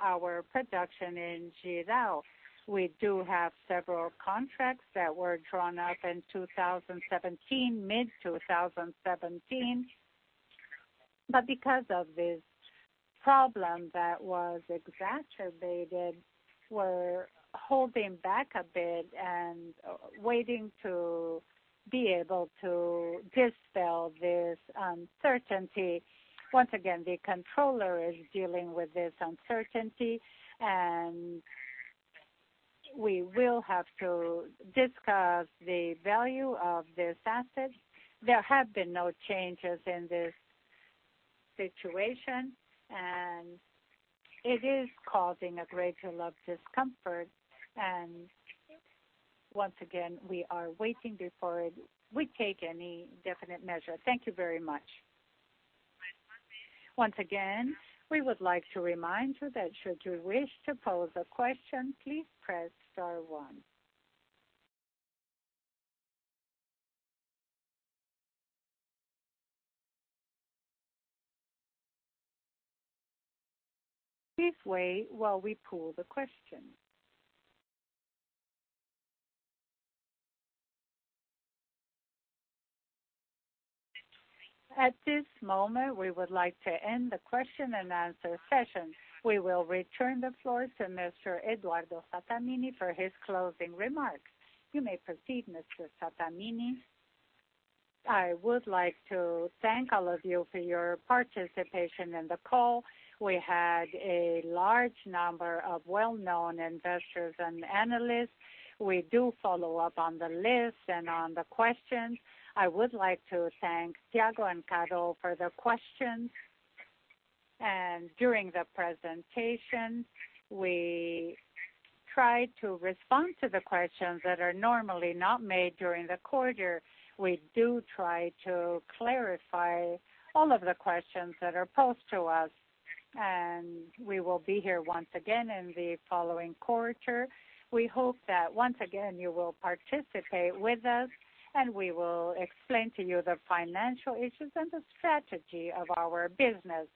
our production in Jirau. We do have several contracts that were drawn up in 2017, mid-2017. Because of this problem that was exacerbated, we're holding back a bit and waiting to be able to dispel this uncertainty. Once again, the controller is dealing with this uncertainty. We will have to discuss the value of this asset. There have been no changes in this situation. It is causing a great deal of discomfort. Once again, we are waiting before we take any definite measure. Thank you very much. Once again, we would like to remind you that should you wish to pose a question, please press star one. Please wait while we pull the question. At this moment, we would like to end the question and answer session. We will return the floor to Mr. Eduardo Sattamini for his closing remarks. You may proceed, Mr. Sattamini. I would like to thank all of you for your participation in the call. We had a large number of well-known investors and analysts. We do follow up on the list and on the questions. I would like to thank Thiago and Caro for the questions. During the presentation, we tried to respond to the questions that are normally not made during the quarter. We do try to clarify all of the questions that are posed to us. We will be here once again in the following quarter. We hope that once again you will participate with us. We will explain to you the financial issues and the strategy of our business.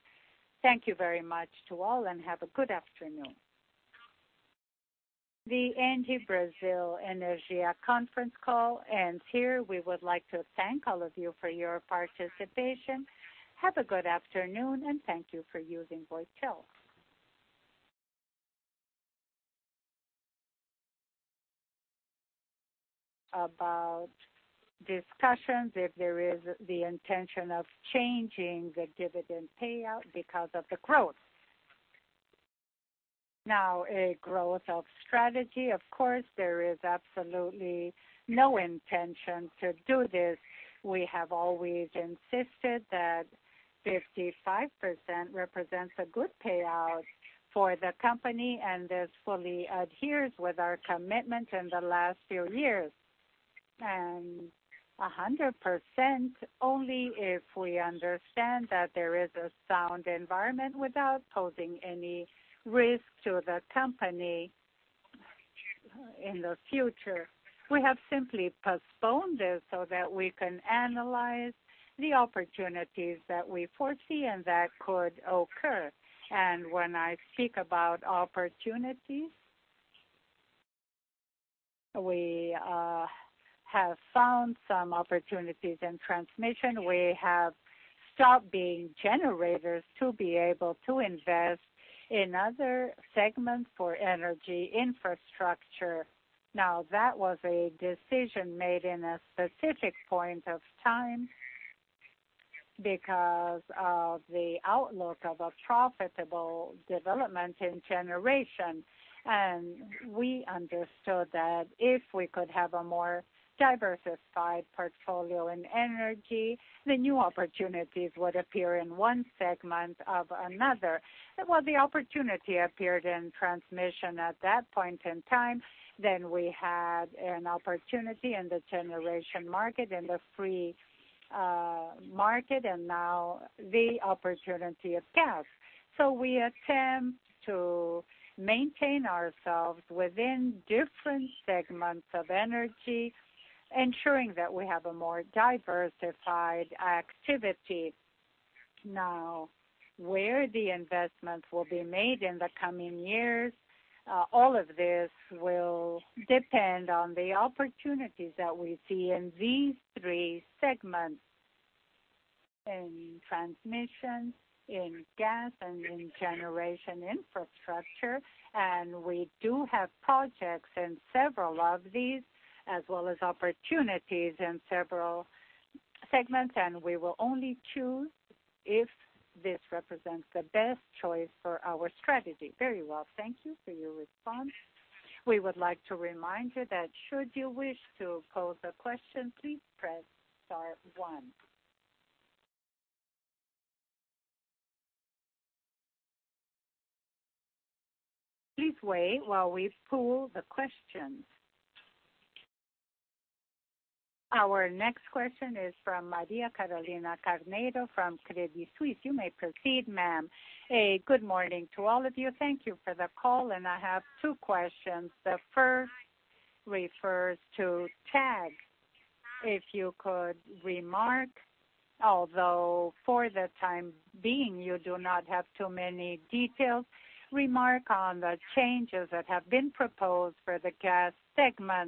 Thank you very much to all and have a good afternoon. The ENGIE Brasil Energia conference call ends here. We would like to thank all of you for your participation. Observe that the discussion on dividend payout was not part of the agenda for the first semester of the year. If you could give us some color about discussions, if there is the intention of changing the dividend payout because of the growth. Now, a growth of strategy, of course, there is absolutely no intention to do this. We have always insisted that 55% represents a good payout for the company and this fully adheres with our commitment in the last few years. And 100% only if we understand that there is a sound environment without posing any risk to the company in the future. We have simply postponed this so that we can analyze the opportunities that we foresee and that could occur. When I speak about opportunities, we have found some opportunities in transmission. We have stopped being generators to be able to invest in other segments for energy infrastructure. That was a decision made at a specific point in time because of the outlook of a profitable development in generation. We understood that if we could have a more diversified portfolio in energy, new opportunities would appear in one segment or another. The opportunity appeared in transmission at that point in time. We had an opportunity in the generation market, in the free market, and now the opportunity of gas. We attempt to maintain ourselves within different segments of energy, ensuring that we have a more diverse option in our portfolio in general, representing a drop of 14% in our EBITDA. Once again, this is the information listed on slide number 32. A reduction in taxes, which of course ends up being very positive. We did have the impact of several of the elements that have been mentioned,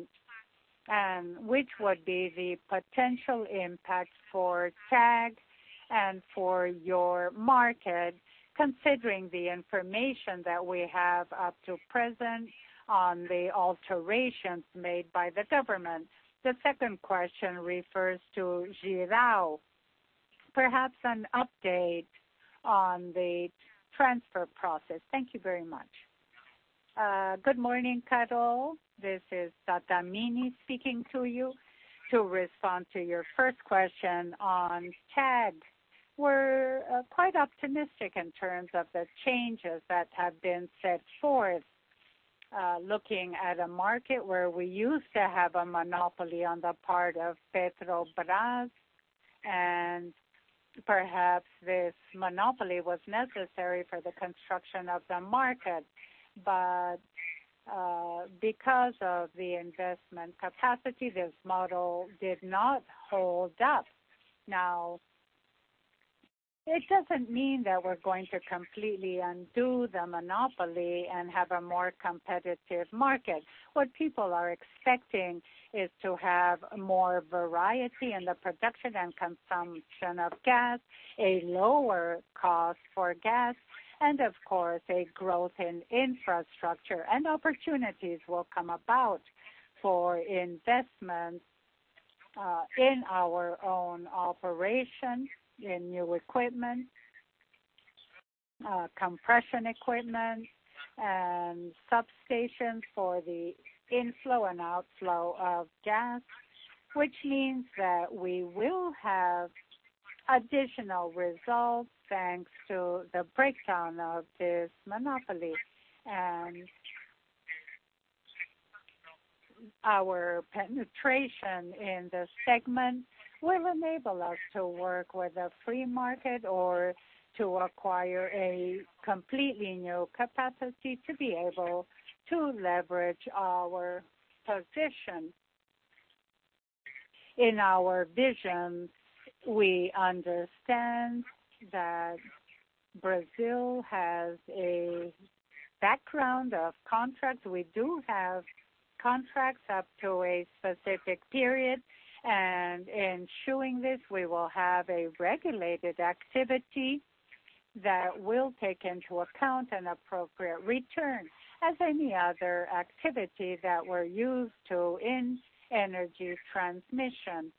the ISS, the allocations, and that is why we have lower financial results because of the drop in the interest rates. We did need to have more capital to finance our investments. The depreciation and the coming into operation of the Campo Largo and the Umburama parks last year, and Umburama that came into operation this year. That is the explanation for the figures that you see here. On slide number 34, the issue of the second quarter of 2018, where we had a drop of 17.5 in capital invested. This is our capital invested, but without the full results of our investments. All of these figures should be shown in the coming quarters. When we are able to fully recover these indicators in terms of indebtedness and net debt, looking at a market where we used to have a monopoly on the part of Petrobras. Perhaps this monopoly was necessary for the construction of the market. Because of the investment capacity, this model did not hold up. It does not mean that we are going to completely undo the monopoly and have a more competitive market. What people are expecting is to have more variety in the production and consumption of gas, a lower cost for gas, and of course, a growth in infrastructure. Opportunities will come about for investments in our own operation, in new equipment, compression equipment, and substations for the inflow and outflow of gas, which means that we will have additional results thanks to the breakdown of this monopoly. Our penetration in the segment will enable us to work with a free market or to acquire a completely new capacity to be able to leverage our position. In our vision, we understand that Brazil has a background of contracts. We do have contracts up to a specific period. In showing this, we will have a regulated activity that will take into account an appropriate return, as any other activity that we are used to in energy transmission,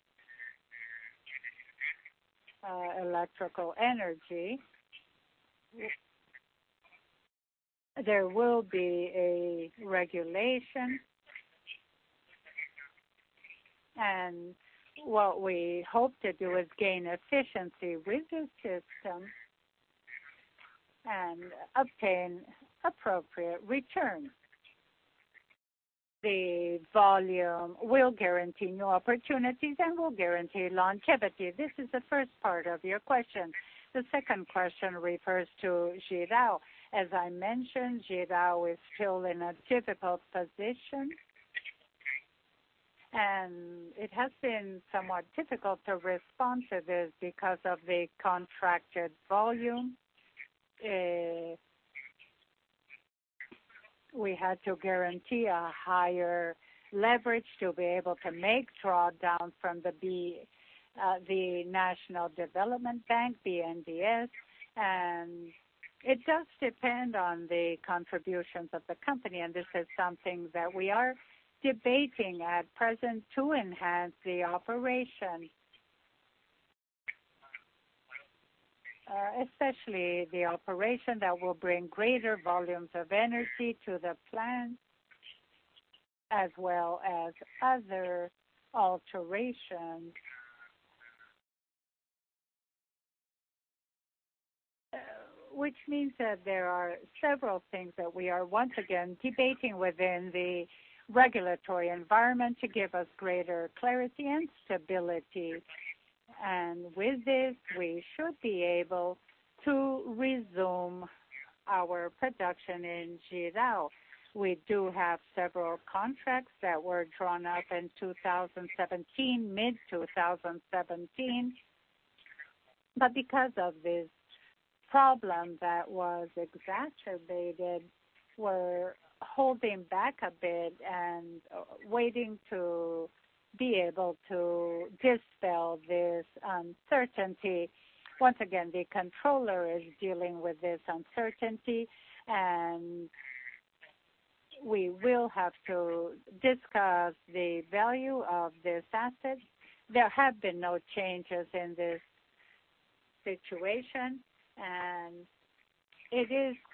electrical energy. There will be a cash position in the company that has always been very robust. In 2022, we still have part of the debt that will be paid off and will normalize these levels in the future. Once again, we keep working on the service of our debt based on our cash generation because we also have the commitment of paying out dividends that we will refer to further ahead. On slide number 38, our investments, our CapEx. Here you can see the significant investments in the last three years: BRL 5.1 billion in 2017, BRL 4.3 billion in 2018, and in 2019, BRL 5.5 billion. Still a very high position. This is thanks to the company leverage and the very low interest rates, which give us an opportunity. On slide number 39, we refer to the dividends. Our policy is to pay as much as possible. The management commitment is a minimum payout of 55%. We reduce the payout when there is an outside threat or when we make investments, as happened in 2018. In periods of investment, of course, we are forced to reduce the dividends. We do maintain our minimum payout of 55%, as this is our commitment, a commitment taken in 2011. Once again, the controller is dealing with this uncertainty. We will have to discuss the value of this asset. There have been no changes in this situation. It is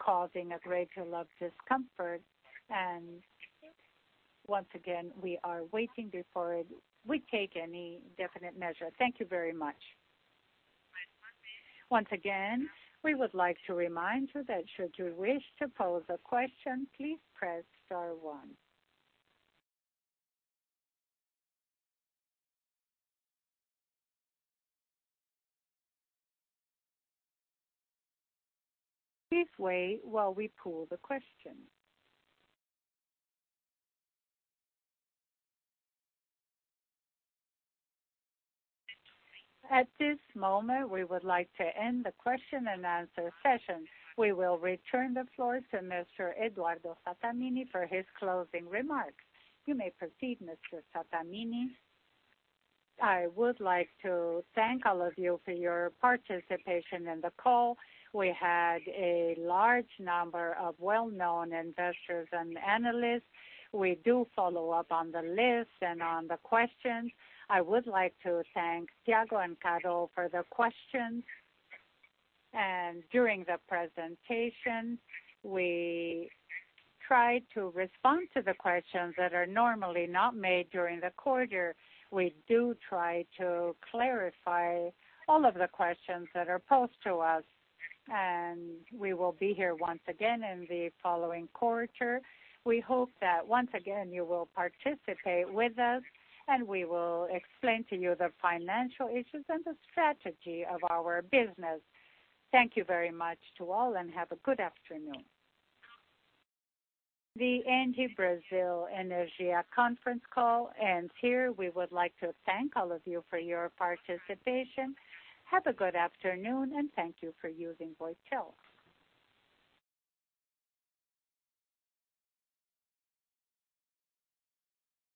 causing a great deal of discomfort. Once again, we are waiting before we take any definite measure. Thank you very much. Once again, we would like to remind you that should you wish to pose a question, please press star one. Please wait while we pull the question. At this moment, we would like to end the question and answer session. We will return the floor to Mr. Eduardo Sattamini for his closing remarks. You may proceed, Mr. Sattamini. I would like to thank all of you for your participation in the call. We had a large number of well-known investors and analysts. We do follow up on the list and on the questions. I would like to thank Thiago and Caro for the questions. During the presentation, we tried to respond to the questions that are normally not made during the quarter. We do try to clarify all of the questions that are posed to us. We will be here once again in the following quarter. We hope that once again you will participate with us.